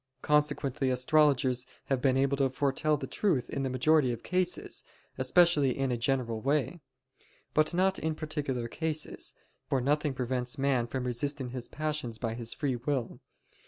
Consequently astrologers are able to foretell the truth in the majority of cases, especially in a general way. But not in particular cases; for nothing prevents man resisting his passions by his free will.